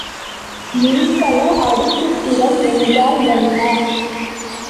மின்கல அடுக்குத்திறன் என்றால் என்ன?